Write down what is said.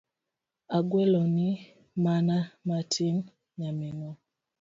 Agweloni mana matin Nyaminwa.